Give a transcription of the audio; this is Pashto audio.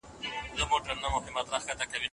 د نوکریوالۍ مهالویش څوک جوړوي؟